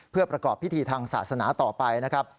เพื่อประกอบพิธีทางศาสนาต่อไปนะครับ